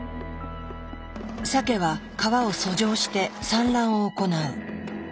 サケは川を遡上して産卵を行う。